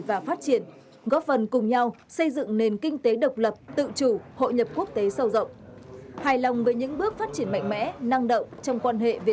và giải quyết các vấn đề